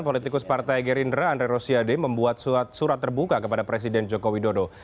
politikus partai gerindra andre rosiade membuat surat terbuka kepada presiden joko widodo